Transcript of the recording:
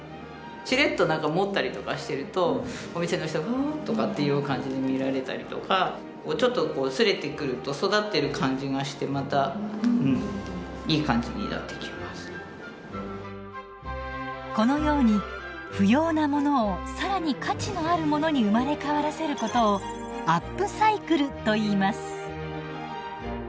しれっと持ったりとかしてるとお店の人が「あ」とかっていう感じで見られたりとかちょっとこう擦れてくるとこのように不要なものを更に価値のあるものに生まれ変わらせることをアップサイクルといいます。